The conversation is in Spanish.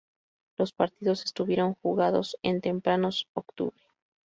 Los partidos estuvieron jugados en tempranos-octubre.